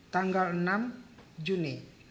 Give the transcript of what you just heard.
tanggal enam juni